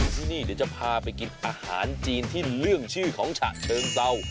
ที่นี่เดี๋ยวจะพาไปกินอาหารจีนที่เรื่องชื่อของฉะเชิงเศร้า